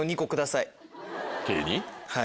はい。